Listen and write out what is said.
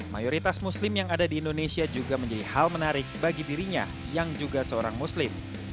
mayoritas muslim yang ada di indonesia juga menjadi hal menarik bagi dirinya yang juga seorang muslim